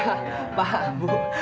iya paham ibu